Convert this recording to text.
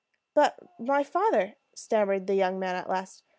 "But my father," stammered the young man at last.